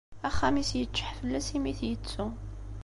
Axxam-is yeččeḥ fell-as imi t-yettu.